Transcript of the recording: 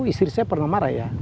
istri saya pernah marah ya